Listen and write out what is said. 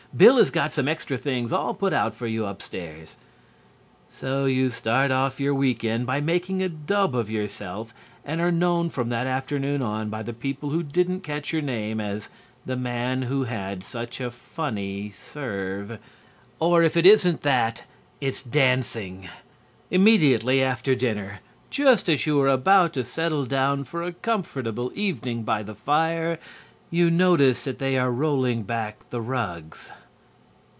Bill has got some extra things all put out for you upstairs." So you start off your week end by making a dub of yourself and are known from that afternoon on by the people who didn't catch your name as "the man who had such a funny serve." Or if it isn't that, it's dancing. Immediately after dinner, just as you are about to settle down for a comfortable evening by the fire, you notice that they are rolling back the rugs.